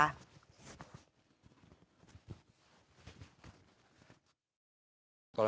ซึ่งต้องเอาไปถูกใจก่อนนะ